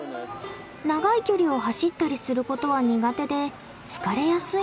長い距離を走ったりすることは苦手で疲れやすいのが特徴。